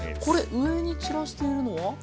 これ上に散らしているのは？